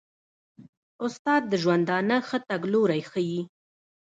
استاد د ژوندانه ښه تګلوری ښيي.